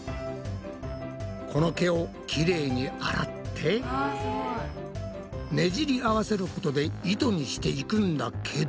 この毛をきれいに洗ってねじり合わせることで糸にしていくんだけど。